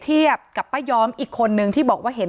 ที่มีข่าวเรื่องน้องหายตัว